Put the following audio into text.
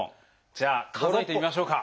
じゃあ数えてみましょうか。